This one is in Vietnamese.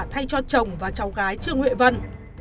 thay cho chồng và cháu gái trương huệ vân